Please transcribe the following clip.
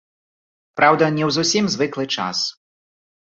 Праўда, не ў зусім звыклы час.